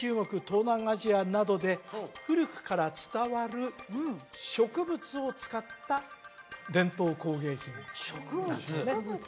東南アジアなどで古くから伝わる植物を使った伝統工芸品植物？